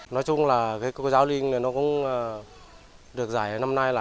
nói chung là cái cô giáo linh này nó cũng được giải ở năm nay là